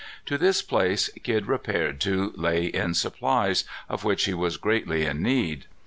To this place Kidd repaired to lay in supplies, of which he was greatly in need.